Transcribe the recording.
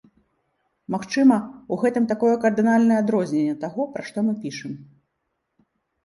Магчыма, у гэтым такое кардынальнае адрозненне таго, пра што мы пішам.